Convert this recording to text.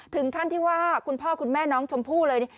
ถึงขั้นที่ว่าคุณพ่อคุณแม่น้องชมพู่เลย